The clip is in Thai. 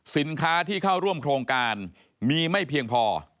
สินค้าที่เข้าร่วมโครงการมีไม่เพียงพอ